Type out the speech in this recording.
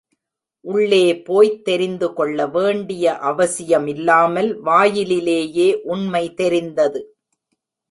உள்ளே போய்த் தெரிந்துகொள்ள வேண்டிய அவசியமில்லாமல் வாயிலிலேயே உண்மை தெரிந்தது.